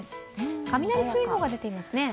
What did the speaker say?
雷注意報が出ていますね。